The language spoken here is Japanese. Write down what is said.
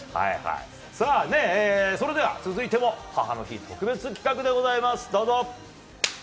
さあ、それでは、続いても母の日特別企画でございます。